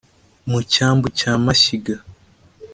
mu cyambu cya mashyiga